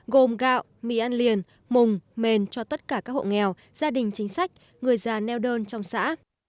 gồm gạo mì ăn liền mùng cho tất cả các hộ nghèo gia đình chính sách người già neo đơn trong xã